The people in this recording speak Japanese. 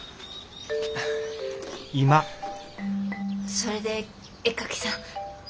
それで絵描きさん。